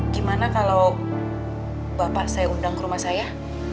gimana kalau bapak saya undang ke rumah saya